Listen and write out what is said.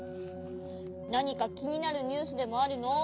なにかきになるニュースでもあるの？